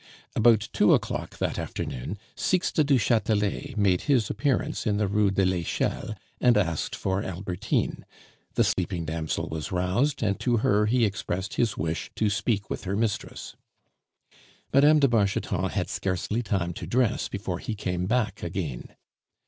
About two o'clock that afternoon, Sixte du Chatelet made his appearance in the Rue de l'Echelle and asked for Albertine. The sleeping damsel was roused, and to her he expressed his wish to speak with her mistress. Mme. de Bargeton had scarcely time to dress before he came back again.